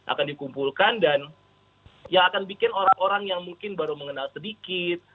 akan dikumpulkan dan yang akan bikin orang orang yang mungkin baru mengenal sedikit